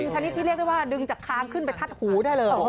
ชนิดที่เรียกได้ว่าดึงจากคางขึ้นไปทัดหูได้เลย